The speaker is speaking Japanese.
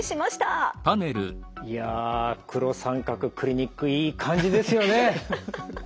いや黒三角クリニックいい感じですよね。